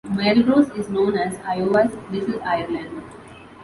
Melrose is known as Iowa's "Little Ireland".